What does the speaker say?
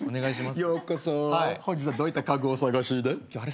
ようこそ本日はどういった家具をお探しで？